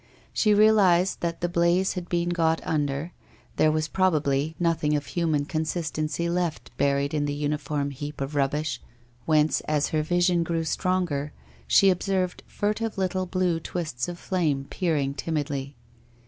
She realized that the blaze had been got under, there was probably nothing of human consist ency left buried in the uniform heap of rubbish, whence as her vision grew stronger, she observed furtive little blue twists of flame peering timidly.